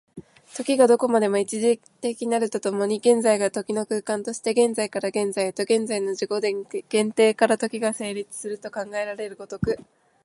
時がどこまでも一度的なると共に、現在が時の空間として、現在から現在へと、現在の自己限定から時が成立すると考えられる如く、